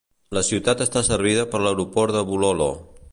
La ciutat està servida per l"Aeroport de Bulolo.